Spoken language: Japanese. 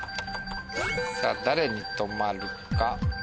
さぁ誰に止まるか。